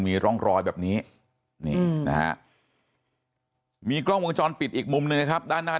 มีร่องรอยแบบนี้นี่นะฮะมีกล้องวงจรปิดอีกมุมหนึ่งนะครับด้านหน้า